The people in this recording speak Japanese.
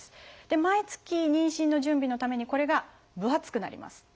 毎月妊娠の準備のためにこれが分厚くなります。